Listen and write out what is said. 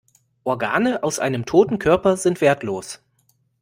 Organe aus einem toten Körper sind wertlos.